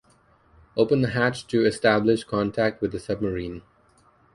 Open the hatch to establish contact with the submarine.